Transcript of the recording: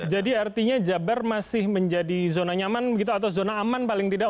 artinya jabar masih menjadi zona nyaman begitu atau zona aman paling tidak